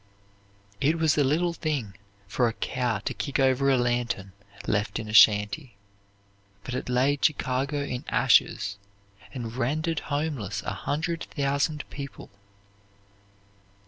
It was a little thing for a cow to kick over a lantern left in a shanty, but it laid Chicago in ashes, and rendered homeless a hundred thousand people.